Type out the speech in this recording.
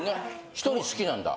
１人好きなんだ？